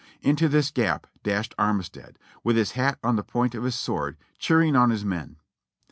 Into this gap dashed Armistead, with his hat on the point of his sword, cheering on his men.